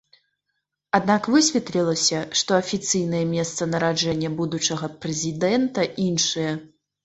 Аднак высветлілася, што афіцыйнае месца нараджэння будучага прэзідэнта іншае.